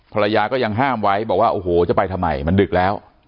ภรรยาก็ยังห้ามไว้บอกว่าโอ้โหจะไปทำไมมันดึกแล้ว